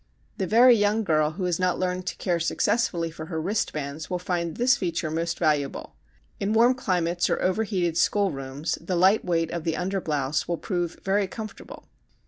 The very young girl who has not learned to care successfully for her wristbands will find this feature most valuable. In warm climates or overheated school rooms the light weight of the underblouse will prove very comfortable.